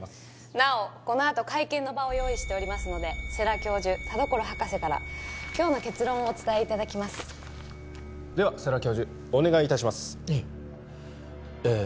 なおこのあと会見の場を用意しておりますので世良教授田所博士から今日の結論をお伝えいただきますでは世良教授お願いいたしますえええ